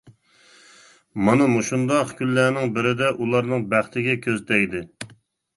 مانا مۇشۇنداق كۈنلەرنىڭ بىرىدە ئۇلارنىڭ بەختىگە كۆز تەگدى.